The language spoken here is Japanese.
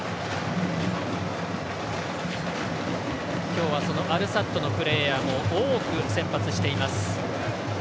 今日はアルサッドのプレーヤーも多く先発しています。